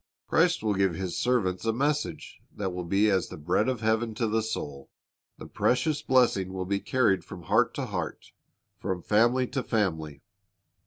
Christ will give His servants a message that will be as the bread of heaven to the soul. The precious blessing will be carried from heart to heart, from family to family.